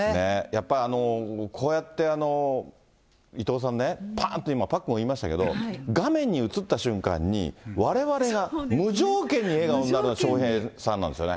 やっぱりこうやって、伊藤さんね、ぱーんと今、パックンも言いましたけど、画面に映った瞬間に、われわれが無条件に笑顔になる笑瓶さんなんですよね。